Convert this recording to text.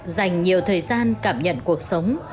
dành nhiều thời gian cảm nhận cuộc sống